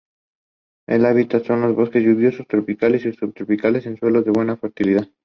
El hábitat son los bosques lluviosos tropicales y subtropicales en suelos de buena fertilidad.